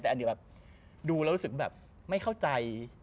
แต่อันนี้แบบดูแล้วรู้สึกแบบไม่เข้าใจ